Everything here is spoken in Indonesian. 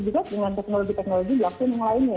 begitu juga dengan teknologi teknologi blockchain yang lain juga